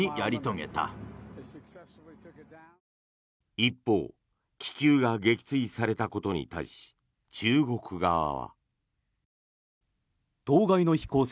一方気球が撃墜されたことに対し中国側は。